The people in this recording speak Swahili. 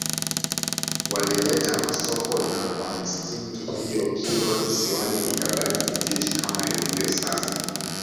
Walileta Masoko na kwa misingi hiyo Kilwa Kisiwani ikabaki kijiji kama ilivyo sasa